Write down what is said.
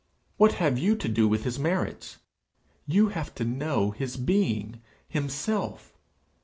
What have you to do with his merits? You have to know his being, himself.